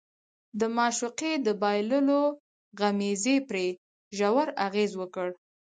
د معشوقې د بايللو غمېزې پرې ژور اغېز وکړ.